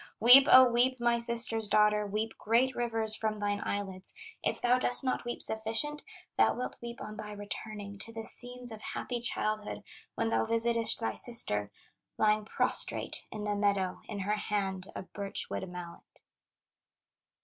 "Weep, O weep, my sister's daughter, Weep great rivers from thine eyelids; If thou dost not weep sufficient, Thou wilt weep on thy returning To the scenes of happy childhood, When thou visitest thy sister Lying, prostrate in the meadow, In her hand a birch wood mallet."